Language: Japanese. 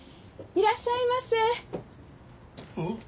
いらっしゃいませ。